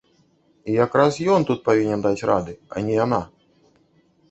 І якраз ён тут павінен даць рады, а не яна.